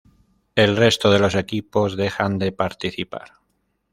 El resto de los equipos dejan de participar.